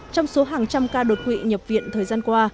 trong số hàng trăm ca đột quỵ nhập viện thời gian qua